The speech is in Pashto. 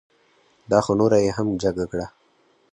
دا خو نوره یې هم جگه کړه.